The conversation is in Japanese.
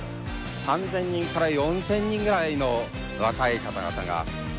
３０００人から４０００人ぐらいの若い方々が。